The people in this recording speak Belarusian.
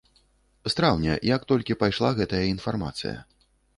З траўня, як толькі пайшла гэтая інфармацыя.